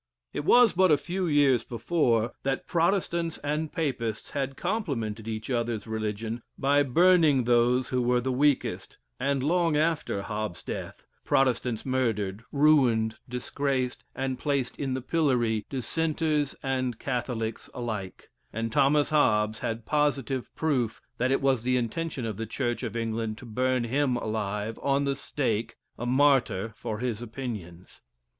It was but a few years before, that Protestants and Papists had complimented each other's religion by burning those who were the weakest, and long after Hobbes's death, Protestants murdered, ruined, disgraced, and placed in the pillory Dissenters and Catholics alike, and Thomas Hobbes had positive proof that it was the intention of the Church of England to burn him alive, on the stake, a martyr for his opinions.